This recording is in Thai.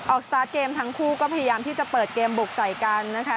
สตาร์ทเกมทั้งคู่ก็พยายามที่จะเปิดเกมบุกใส่กันนะคะ